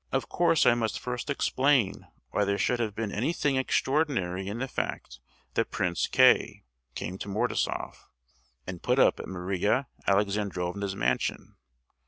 Of course I must first explain why there should have been anything extraordinary in the fact that Prince K—— came to Mordasoff, and put up at Maria Alexandrovna's mansion.